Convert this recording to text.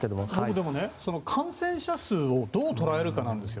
でも、感染者数をどう捉えるかなんですよ。